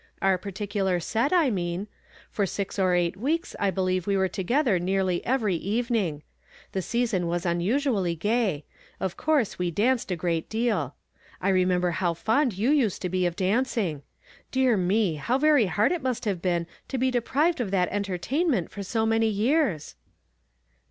" Our particular set, I mean. For six or eight weeks I believe we were together nearly every evening. The season was unusually gay; of coui se we danced a great deal. I remend)er how fond you used to be of dancing. Dear me ! how very liard it must have heen to be deprived of that entertainment for so many yeai s."